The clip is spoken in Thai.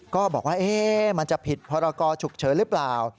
ก็บอกว่ามันจะผิดพรกรฉุกเฉินหรือเปล่า